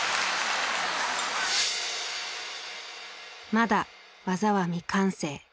まだ技は未完成。